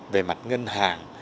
về mặt ngân hàng